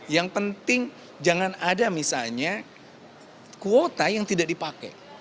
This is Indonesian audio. yang penting jangan ada misalnya kuota yang tidak dipakai